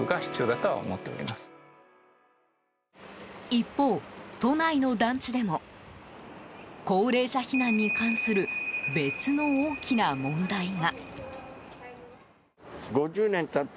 一方、都内の団地でも高齢者避難に関する別の大きな問題が。